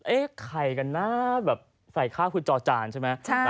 เอ๊ะใครกันนะแบบใส่ข้างคุณจอจานใช่ไหม